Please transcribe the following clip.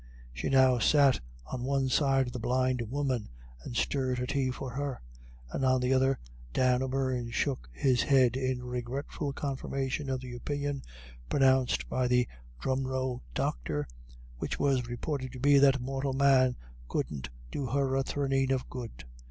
She now sat on one side of the blind woman, and stirred her tea for her, and on the other Dan O'Beirne shook his head in regretful confirmation of the opinion pronounced by the Drumroe doctor, which was reported to be that mortal man couldn't do her a thraneen of good.